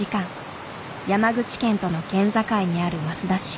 山口県との県境にある益田市。